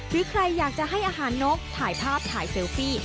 หรือใครอยากจะให้อาหารนกถ่ายภาพถ่ายเซลฟี่